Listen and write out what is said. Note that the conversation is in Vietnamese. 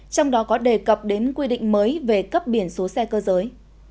trong đó có đề cập đến quy định mới về cấp biển số xe cơ giới